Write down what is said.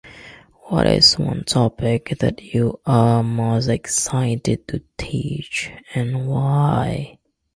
What is one topic that you are most excited to teach and why?